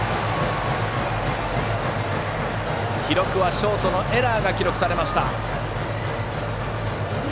ショートのエラーが記録されました。